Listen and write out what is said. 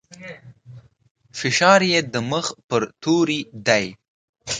فشار يې د مخ پر توري دی.